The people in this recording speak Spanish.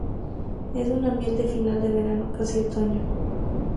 Es una miel de final de verano, casi otoño.